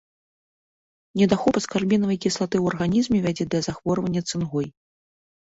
Недахоп аскарбінавай кіслаты ў арганізме вядзе да захворвання цынгой.